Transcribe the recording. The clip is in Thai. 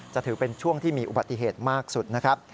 ถือเป็นช่วงที่มีอุบัติเหตุมากสุดนะครับ